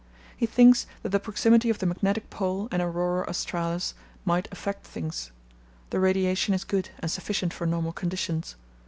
He thinks that the proximity of the Magnetic Pole and Aurora Australis might affect things. The radiation is good and sufficient for normal conditions.